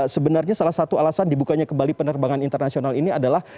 sebenarnya salah satu alasan dibukanya kembali penerbangan internasional ini adalah